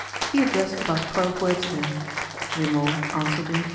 He addressed about twelve words to him; Grimaud answered in four.